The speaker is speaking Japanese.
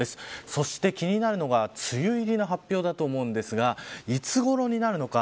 そして、気になるのが梅雨入りの発表だと思うんですがいつごろになるのか。